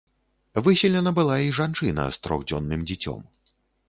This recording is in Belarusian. Выселена была і жанчына з трохдзённым дзіцём.